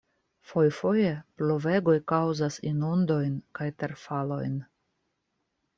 Fojfoje pluvegoj kaŭzas inundojn kaj terfalojn.